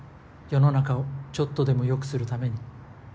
世の中をちょっとでもよくするために。